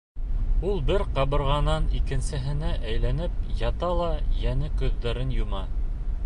Ул бер ҡабырғанан икенсеһенә әйләнеп ята ла йәнә күҙҙәрен йома.